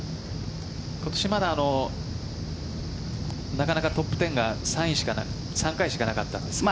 今年まだなかなかトップ１０が３回しかなかったんですが。